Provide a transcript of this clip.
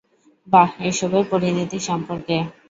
বা এসবের পরিণতি সম্পর্কে।